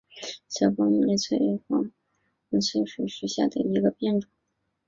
小苞木里翠雀花为毛茛科翠雀属下的一个变种。